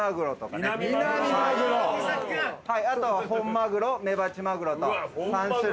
あとは本マグロメバチマグロと３種類。